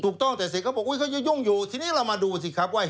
ถูกต้องแต่เศษก็บอกเขายุ่งอยู่ทีนี้เรามาดูสิครับว่า